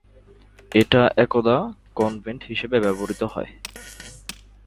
এটা একদা কনভেন্ট হিসেবে ব্যবহৃত হত।